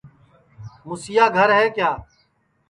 موسیا گھر ہے کیا